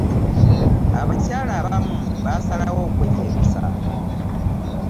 Abakyala abamu basalawo okweyerusa.